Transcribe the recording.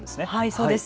そうです。